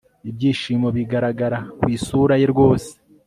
ibyishimo bigaragara kwisura ye rwose